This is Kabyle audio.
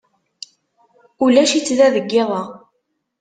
Ulac-itt da deg yiḍ-a.